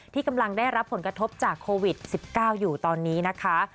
ที่กำลังได้รับผลกระทบจากโควิด๑๙อยู่ตอนนี้นะคะ